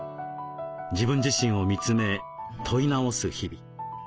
自分自身を見つめ問い直す日々。